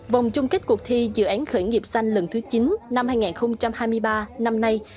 vòng chung kết cuộc thi dự án khởi nghiệp xanh lần thứ chín năm hai nghìn hai mươi ba năm nay